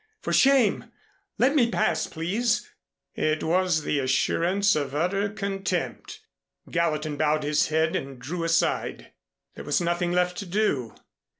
For shame! Let me pass, please." It was the assurance of utter contempt. Gallatin bowed his head and drew aside. There was nothing left to do.